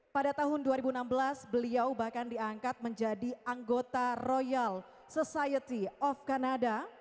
pada tahun dua ribu enam belas beliau bahkan diangkat menjadi anggota royal society of kanada